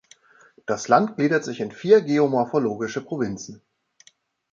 Das Land gliedert sich in vier geomorphologische Provinzen.